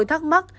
nấm hạt đông luôn